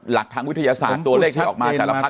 หลักทั้งวิทยาศาสตร์ตัวเลขที่ออกมา